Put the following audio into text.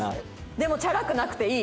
でもチャラくなくていい！